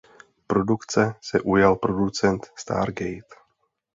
Produkce se ujal producent Stargate.